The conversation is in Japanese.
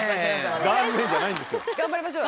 「残念」じゃないんですよ。